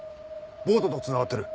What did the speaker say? ボートとつながってる。